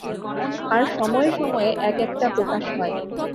আর সময়ে সময়ে এক একটা প্রকাশ হয়।